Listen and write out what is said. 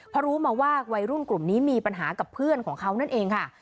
เพราะรู้มาว่าวัยรุ่นกลุ่มนี้มีปัญหากับเพื่อนของเขานั่นเองค่ะ